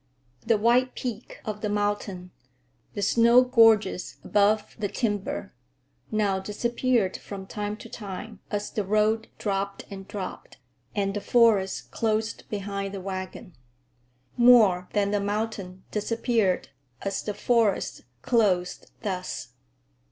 The white peak of the mountain, the snow gorges above the timber, now disappeared from time to time as the road dropped and dropped, and the forest closed behind the wagon. More than the mountain disappeared as the forest closed thus.